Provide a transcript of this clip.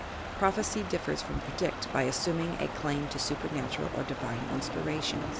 Prophecy differs from predict by assuming a claim to supernatural or divine inspiration.